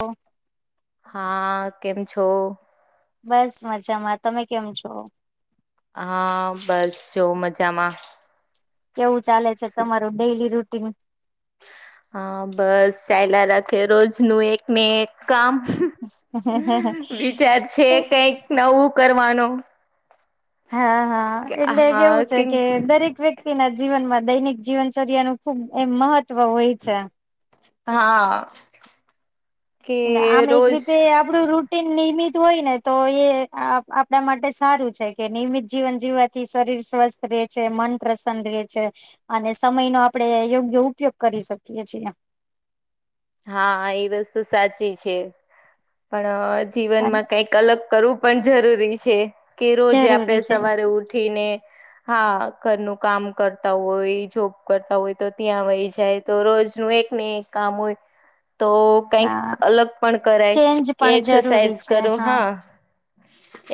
ઓ હા, કેમ છો? બસ મજામાં. તમે કેમ છો? હા, બસ જો મજામાં. કેવું ચાલે છે તમારું ડેઇલી રૂટીન? હા, બસ ચાઇલા રાખે રોજ નું એક ને એક કામ વિચાર છે કઈક નવું કરવાનો. હા હા એટલે કેવું છે કે દરેક વ્યક તેના જીવનમાં દૈનિક જીવનચર્યા નું ખુબ એમ મહત્વ હોય છે. હા કે રોજ પડું રૂટન નિયમિત હોય ને તો એ આ-આપડા માટે સારું છે કે નિયમિત જીવન જીવા થી શરીર સ્વસ્થ રહે છે મન પ્રસન્ન રહે છે. અને સમય નો આપડે યોગ્ય ઉપયોગ કરી શકીએ છીએ. હા એ વસ્તુ સાચી છે પણ જીવનમાં કઈક કલગ કરવું પણ જરૂરી છે કે રોજે આપડે જરૂરી છે સવારે ઉઠીને હા, ઘરનું કામ કરતા હોય જોબ કરતા હોય તો ત્યાં વહી જાય તો રોજનું એક ને એક કામ હોય. તો કઈક હા અલગ પણ કરાય ચેન્જ કે પણ જરૂરી એક્સરસાઇઝ છે કરો હા.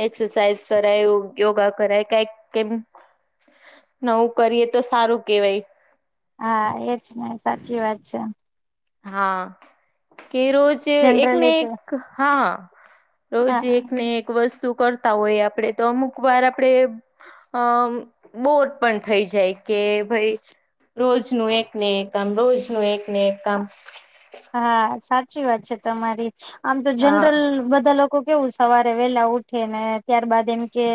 એક્સરસાઇઝ કરાય યો-યોગા કરાય કાઈક કેમ નવું કરીએ તો સારું કેવાય. હા, એજ ને સાચી વાત છે. હા, કે રોજ છે એક જનરલી ને તો એક હા રોજ હા એક ને એક વસ્તુ કર તા હોય આપડે તો અમુક વાર આપડે અહ અમ્મ બોર પણ થઈ જાય કે ભઈ રોજનું એક ને એક કામ રોજનું એક ને એક કામ હા, સાચી વાત છે તમારી આમ તો હા જનરલ બધા લોક કો કેવું સવારે વેલા ઉઠે ને ત્યારબાદ એમ કે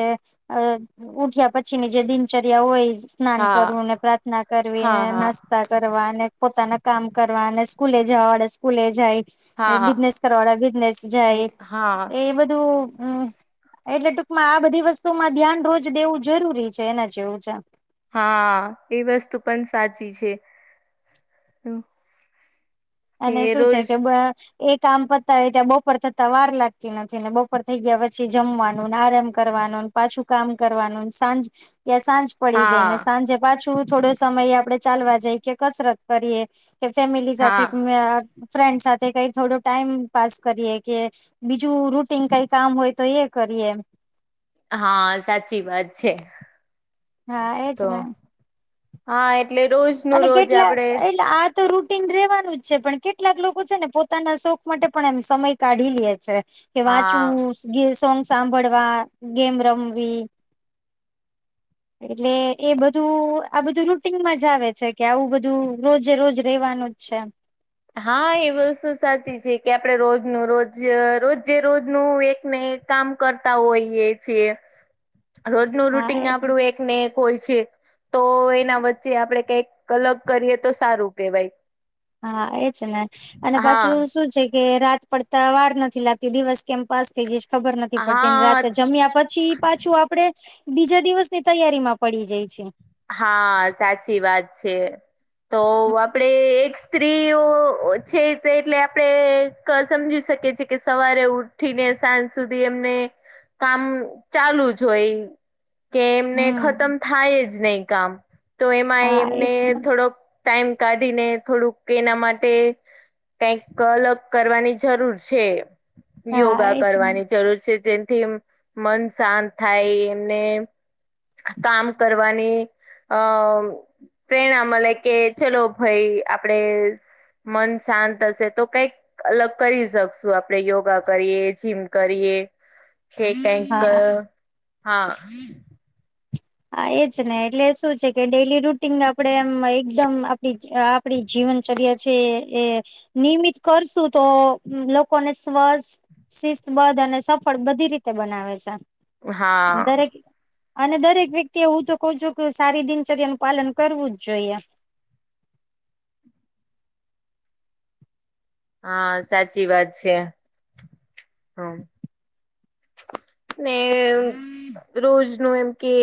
અહ ઉઠ્યા પછી ની જે દિનચર્યા હોય સ્નાન હા કરવું ને પ્રાર્થના કરવી હા નાસ્તા કરવા અને પોતાના કામ કરવા અને સ્કૂલે [unintelligible] સ્કૂલે જાય હા હા બિઝનેસ કરવા વાળા બિઝનેસ જાય હા એ બધું. એટલે ટૂંકમાં આ બધી વસ્તુમાં ધ્યાન રોજ દેવું જરૂરી છે એના જેવું છે. હા, એ વસ્તુ પણ સાચી છે હો અને શું છે કે બ એ કામ પતાવી ત્યાં બપોર થતા વાર લાગતી નથી ને બપોર થઈ ગયા પછી જમવાનું ને આરામ કરવાનું ન પાછું કામ કરવાનું સાંજ યા સાંજ પડી જાયને હા સાંજે પાછું થોડો સમય આપડે ચાલવા જઈ કે કસરત કરીએ કે ફેમિલી સાથે હા ફ્રેન્ડ સાથે કઈ થોડો ટાઈમ પાસ કરીએ કે. બીજું રૂટીન કઈ કામ હોય તો એ કરીએ એમ. હા સાચી વાત છે. હા એજ તો ના. હા એટલે રો. અને કેટલા એટલે આ. તો રૂટીન રેવાનું જ છે પણ કેટલાક લોકો છે ને પોતાના શોખ માટે પણ એમ સમય કાઢી લે છે. કે વાંચવું હા ગિલ સોંગ સાંભળવા ગેમ રમવી. એટલે એ બધું આ બધું રૂટીનમાં જ આવે છે કે આવું બધું રોજે રોજ રેવાનું જ છે. હા એ વસ્તુ સાચી છે કે આપડે રોજનું રોજ રોજ જે રોજનું એક ને એક. કામ કરતા હોઈએ છે. [inaudible] રોજનું હા રૂટિગ એ આપડું એક. એક ને એક હોય છે તો એના વચ્ચે આપડે કઈક અલગ કરીએ તો સારું કેવાય. હા એજ ને અને હા પાછું શું છે કે રાત. પડતા વાર નથી લાગતી દિવસ કેમ પાસ થઈ જાય છે. ખબર નથી પડતી અને હા રાત્રે જમ્યા પછી પાછું આપડે. બીજા દિવસ ની તૈયારી માં પડી જાય છે. હા સાચી વાત છે. તો આપડે એક સ્ત્રીઓ છે એટલે આપડે. સમજી શકે છે કે સવારે ઉઠીને સાંજ સુધી એમને. કામ ચાલુ જ હોય. કે એમને હમ ખતમ થાય જ નહી કામ તો એમાં હા એમને એજ ને થોડોક. ટાઈમ કાઢીને થોડુંક એના માટે. કઈક અલગ કરવાની જરૂર છે. હા યોગા એજ ને કરવાની જરૂર છે જેથી. મન શાંત થાય એમને કામ કરવાની. અ પ્રેરણા મળે કે ચલો ભાઈ આપડે. મન શાંત હશે તો કઈ. અલગ કરી શકશું આપણે યોગા કરીએ જીમ કરીએ. કે હા ટકર હા. હા એજ ને એટલે શું છે કે ડેલી રૂટીન આપડે એમ એકદમ આપડી. આપડી જીવન ચર્યા છે એ. નિયમિત કરશું તો લોકોને સ્વસ્. શિસ્તબદ્ધ અને સફળ બધી રીતે બનાવે છે. હા દરેક અને દરેક. વ્યક્તિ એ હું તો કઉ છું કે સારી દિનચર્યા નું પાલન કરવું જ જોઈએ. હા સાચી વાત છે હમ. ને રોજ નું એમ કે.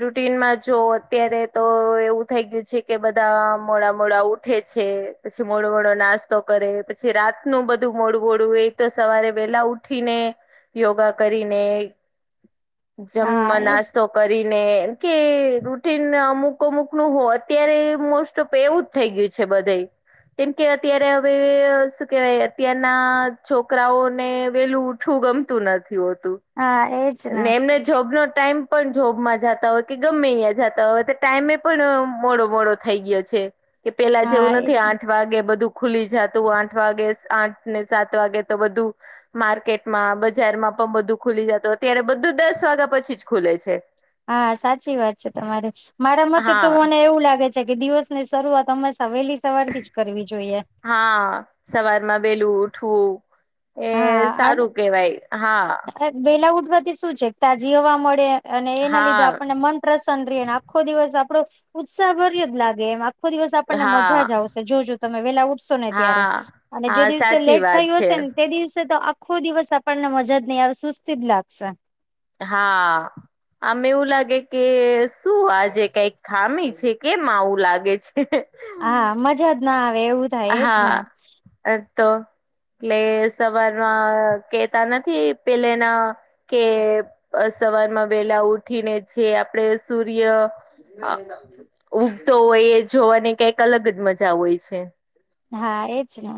રૂટીનમાં જો અત્યારે તો એવું થઈ ગયું છે કે બધા મોડા મોડા ઉ. ઉઠે છે પછી મોડું મોડો નાસ્તો કરે પછી રાતનું બધું મોડુંવડું એ તો સવારે વહેલા ઉઠ. ઉઠીને યોગા કરીને જમ હા એજ નાસ્તો. કરીને કે રૂટન અમુક અમુક નું હો અત્યારે મોસ્ટ તો પે એવું જ થઈ ગયું છે બધે. કેમ કે અત્યારે હવે શું કેહેવાય અત્યારના છોકરાઓને વેલું ઊઠું ગમતું નથી હોતું. હા એ. ને એમને. જોબનો ટાઈમ પણ જોબમાં જતા હોય કે ગમે ન્યા જતા હોય તો ટાઈમે પણ મોડો મોડો. થઈ ગયો છે કે પેલા હા જેવું નથી એજ આઠ વાગે બધું. ખુલી જાતું આઠ વાગે આઠ ને સાત વાગે તો બધું. માર્કેટમાં બજારમાં પણ બધું ખુલી જતું અત્યારે બધું દસ વાગ્યા પછી જ ખુલે છે. હા સાચી વાત છે તમારે મારા મતે તો હા મને એવું લાગે છે કે દિવસ ની શરૂઆત હંમેશા વહેલી સવારથી જ કરવી જોઈએ. હા સવારમાં બેલું ઉઠવું એ હા સારું. કેવાય હા. વેલા ઉઠવાથી શું છે તાજી હવા મળે અને હા એના લીધે આપણને હા મન પ્રસન્ન રે અને આખો દિવસ આપડો ઉત્સાહભર્યો જ લાગે એમ. આખો દિવસ આપણને મજા હા જ આવશે જોજો તમે વેલા ઉઠશો ને ત્યારે. હા અને જે હા દિવસે સાચી લેટ થયું વાત છે હશે ને તે દિવસે તો આખો દિવસ આપણને મજા જ નહી આવે સુસ્તી જ લાગશે. હા. આમ એવું લાગે કે શું આજે કઈક ખામી છે કેમ આવું લાગે છે. હા મજા જ ના આવે એવું. થાય એજ ને હા એ તો. એટલે સવારમાં કેતા નથી પેલેના કે અ સવારમાં વેલા ઉઠીને જે આપણેે સૂર્ય ઉગતો હોય એ જોવાની કંઇક અલગ જ મજા હોય છે. હા એજ ને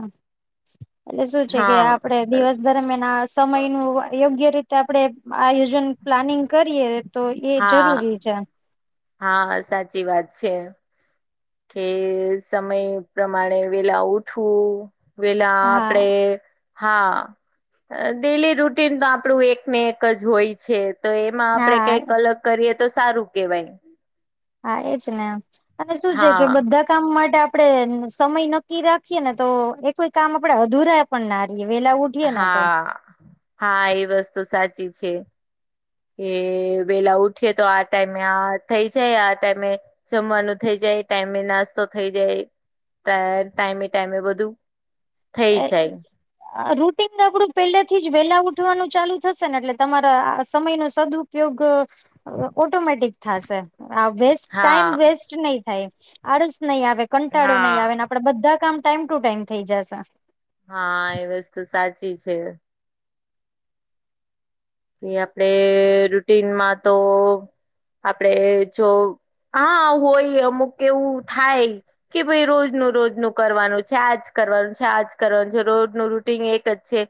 એટલે શું છે કે હા આપડે દિવસ દરમિયાન આ. સમય નું યોગ્ય રીતે આપડે આયોજન પ્લાનિંગ કરીએ તો એ હા જરૂરી જા. હા સાચી વાત છે. કે સમય પ્રમાણે વેલા ઉઠવું વેલા આપડે. હા હા ડેલી રૂટીન તો આપણું એકને એક જ હોય છે. તો એમાં આપડે હા કઈક અલગ કરીએ તો સારું કેવાય. હા એજ ને એમ અને શું છે કે હા બધા. કામ માટે આપડણે સમય નક્કી રાખીએ ને તો એ કોઈ કામ આપડે અધુરા પણ ના રએ વેલા ઉ. હા હા એ વસ્તુ સાચી છે. કે વેલા ઉઠીએ તો આ ટાઈમે આ થઇ જાય આ ટાઈમે જમવાનું થઇ જાય ટાઈમે નાસ્તો થઇ જાય. ટા ટાઈમે ટાઈમે બધું થઈ જાય. રૂટન આપડું પહેલેથી જ વેલા ઉઠવાનું ચાલુ થશે ને એટલે તમારા આ સમય નું સદુ ઉપયોગ ઓટોમેટિક થાશે. હ વેસ્ટ હા ટાઈમ વેસ્ટ નહી થાય આળસ નહી આવે કંટાળો હા નહી આવે. બધા કામ ટાઈમ ટુ ટાઈમ થઈ જાશે. હા એ વસ્તુ સાચી છે. યે આપણે રુટીનમાં તો આપડે જો. હા હોય અમુક એવું થાય. કે ભાઈ રોજનું રોજનું કરવાનું છે આજ કરવાનું છે આજ કરવાનું છે રોજનું રૂટન એક જ છે.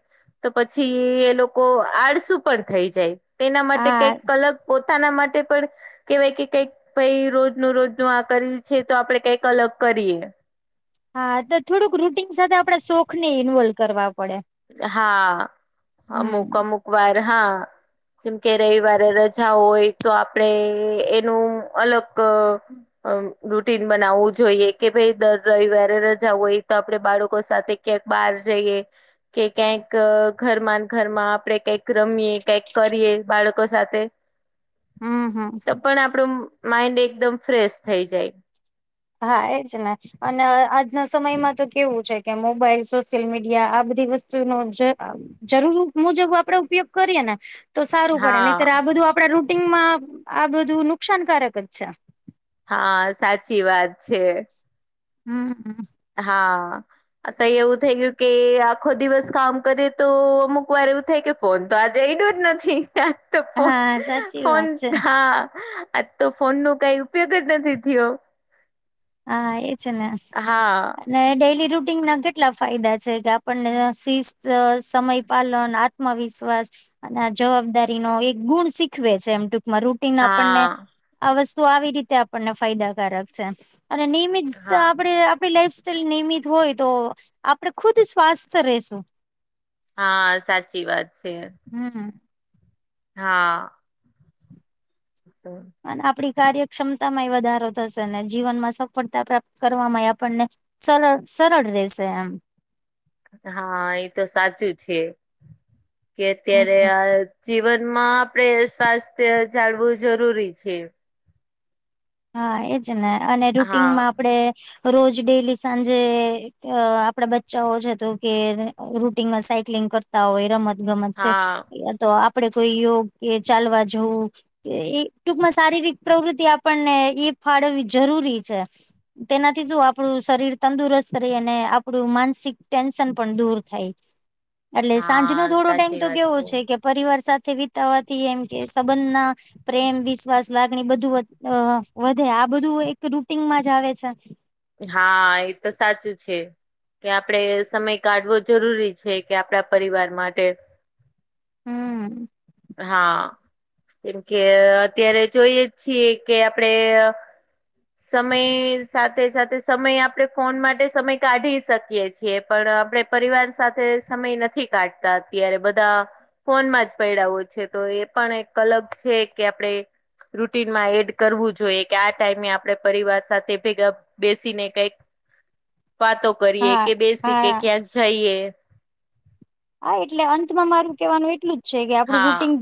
તો પછી એ લોકો આળસુ પણ થઈ જાય તેના માટે હા કંઈક અલગ પોતાના માટે પણ કેવાય કે કઈક ભાઈ રોજ ન રોજ ન આ કરી છે તો આપડે કઈક અલગ કરીએ. હા તો થોડુંક રૂટીન સાથે આપડ શોખ ને ઇન્વોલ્વ કરવા પડે. હા અમુક હમ અમુક વાર હા. જેમ કે રવિવારે રજા હોય તો આપડે એનું અલગ અ રૂટીન બનાવવું જોઈએ કે ભાઈ દર રવિવારે રજા હોય તો આપડે બાળકો સાથે કેક બાર જઈએ. કે ક્યાંક ઘરમાં ઘરમાં આપડે કંઈક રમીયએ કંક કરીએ બાળકો સાથે. હમ હમ તો પણ આપણો માઈન્ડ એકદમ ફ્રેશ થઈ જાય. હા એજ ને. અને અ આજના સમયમાં તો કેવું છે કે મોબાઈલ સોશિયલ મીડિયા આ બધી વસ્તુનો જે. જરૂર મુજબ આપડે ઉપયોગ કરીએ ને તો સારું પડે હા નહીત્યારે આ બધું આપડા રૂટનમાં આ બધું નુકસાનકારક જ છે. હા સાચી વાત છે. હમ હ. હા. અત એવું થઈ ગયું કે આખો દિવસ કામ કરે તો અમુક વાર એવું થાય કે ફોન તો આજે એઈડું જ નથી. તો હા ફ સાચી ફોન વાત છે હા આ તો ફોન નો કઈ ઉપયોગ જ નથી થયો. હા એજ ને. હા. અને ડેલી રૂટીન ના કેટલા ફાયદા છે કે આપણને શિસ્ત સમય પાલન આત્મવિશ્વાસ અને જવાબદારી નો એક ગુણ શીખવે છે એમ ટૂકમાં રૂટ આપણને હા આ વસ્તુ આવી રીતે આપણને ફાયદાકારક છે અને નિમિત હા આપણે આપણી લાઈફ સાઈલ નિયમિત હોય તો આપડે ખુદ સ્વાસ્થ રેશું. હા સાચી વાત છે. હમ હમ. હા. [unintelligible] અને આપણી કાર્યક્ષમતામાંય વધારો થશે ને જીવન માં સફળતા પ્રાપ્ત કરવાવામાંય આપણને સર સરળ રેસ એમ. હા એ તો સાચું છે કે અત્યારે હમ. આ જીવનમાં આપડે સ્વાસ્થ્ય જાળવું જરૂરી છે. હા એજ ને અને હા રૂટનમાં આપડે રોજ ડેલી સાંજે આપડા બચ્ચાઓ છે તું કે રૂટનમાં સાયક્લિંગ કરતા હોય રમત ગમત હા છે તો આપડે કોઈ યોગ કે ચાલવા જોવું એ ટૂકમાં શારીરિક પ્રવૃતિ આપ પણને એ ફાળવવી જરૂરી છે. તેનાથી શું આપણું શરીર તંદુરસ્ત રહી અને આપણું માનસિક ટેન્શન પણ દૂર થાય. એટલે સાંજ નો હા થોડો ટાઈમ સાચી તો વાત કેવો છે કે પરિવાર સાથે વિતાવા એમ કે સંબંધ ના પ્રેમ વિશ્વાસ લાગણી બધું અ વધે આ બધું એક રૂટીનમાં જ આવે છે. હા એ તો સાચું છે. કે આપડે સમય કાઢવો જરૂરી છે કે આપડા પરિવાર માટે હમ. હા કેમ કે અત્યારે જોઈએ છીએ કે આપડે સમય સાથે સાથે સમય આપડણે ફોન માટે સમય કાઢી શકીએ છે. પણ આપણે પરિવાર સાથે સમય નથી કાઢતા અત્યારે બધા ફોનમાં જ પૈડો છે તો એ પણ એક કલગ છે કે આપણેે રૂટીનમાં એડ કરવું જોઈએ કે આ ટાઈમે આપડે પરિવાર સાથે ભેગા બેસીને કઈક વાતો. કરીએ હા કે બેસી હા કે ક્યાંક જઈએ. હા એટલે અંતમાં મારું કેહેવાનું એટલું જ છે કે આપડું હા રૂટીન.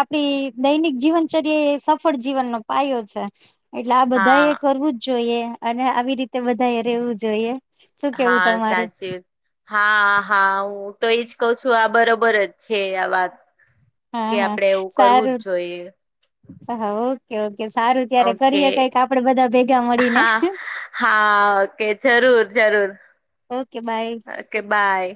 આપડી દૈનિક જીવનચર્યા એ સફળ જીવનનોો પાયો છે. એટલે આ બધા હા એ કરવું જ જોઈએ અને આવી રીતે બધા એ રેવું જોઈએ. શું કેવું હા તમારું? સાચી હા હા હું તો એજ કહ છું આ બરોબર જ છે આ વાત હા કે હા આપડે એવું કરવું જ જોઈએ. સ હા ઓ. કેવું કે સારું ત્યારે ઓકે કરીએ કઈક આપડે બધા ભેગા મળીને. હા હા ઓકે જરૂર જરૂર. Okay bye. Okay by.